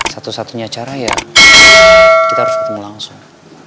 satu satunya cara ya kita harus ketemu langsung